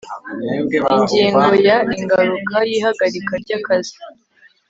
ingingo ya ingaruka y ihagarika ry akazi